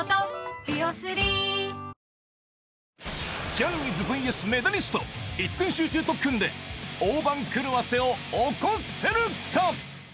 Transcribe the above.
ジャニーズｖｓメダリスト一点集中特訓で大番狂わせを起こせるか？